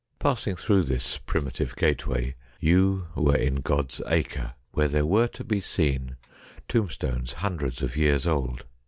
Passing through this primitive gateway, you were in God's acre, where were to be seen tombstones hundreds of years old.